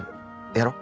やろう。